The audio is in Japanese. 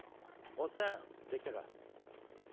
おっさんできたか？